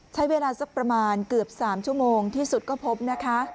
ใช้เวลาสักประมาณเกือบ๓ชั่วโมงที่สุดก็พบนะคะ